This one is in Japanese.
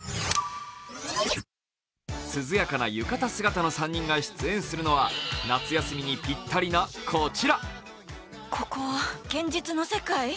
涼やかな浴衣姿の３人が出演するのは夏休みにぴったりなこちら。